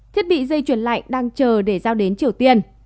thiết bị dây chuyển lạnh đang chờ để giao đến triều tiên